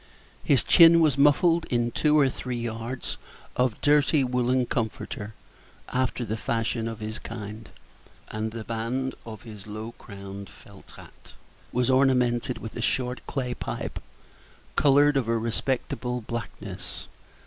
His chin was muffled in two or three yards of dirty woollen comforter, after the fashion of his kind; and the band of his low crowned felt hat was ornamented with a short clay pipe, colored of a respectable blackness.